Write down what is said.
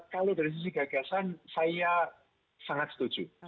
kalau dari sisi gagasan saya sangat setuju